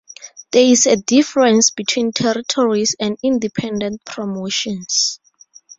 There is a difference between territories and independent promotions.